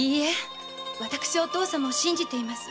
私はお父様を信じています。